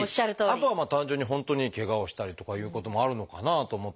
あとはまあ単純に本当にケガをしたりとかいうこともあるのかなあと思ってて。